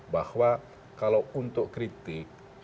bahwa kalau untuk kritik